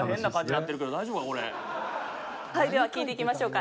では、聞いていきましょうか。